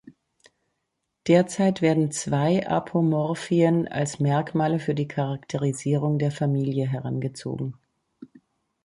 Derzeit werden zwei Apomorphien als Merkmale für die Charakterisierung der Familie herangezogen.